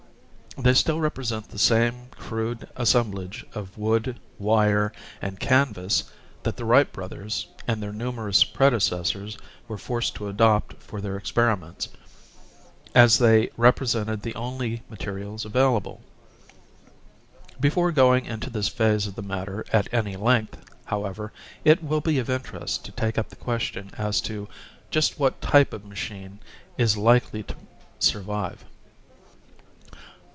They still represent the same crude assemblage of wood, wire, and canvas that the Wright Brothers and their numerous predecessors were forced to adopt for their experi ments, as they represented the only materials available. Before going into this phase of the matter at any length, however, it will be of interest to take up the question as to just what type of machine is likely to survive.